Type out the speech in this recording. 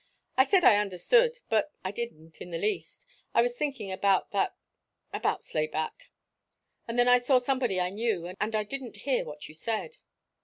"I said I understood, but I didn't, in the least. I was thinking about that about Slayback and then I saw somebody I knew, and I didn't hear what you said."